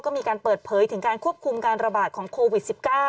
ก็มีการเปิดเผยถึงการควบคุมการระบาดของโควิด๑๙